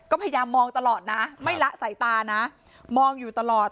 ก็พยายามมองตลอดนะไม่ละสายตานะมองอยู่ตลอด